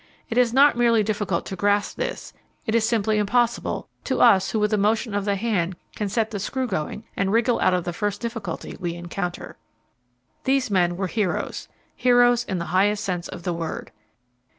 It is not merely difficult to grasp this; it is simply impossible to us, who with a motion of the hand can set the screw going, and wriggle out of the first difficulty we encounter. These men were heroes heroes in the highest sense of the word.